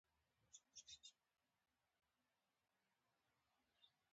زموږ د علمي تعریفونو اساسي مشکل همدا دی.